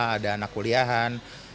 ada anak kuliahan